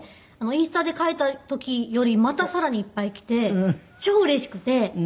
インスタで書いた時よりまたさらにいっぱい来て超うれしくて。